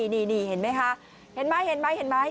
นี่เห็นไหมค่ะเห็นไหม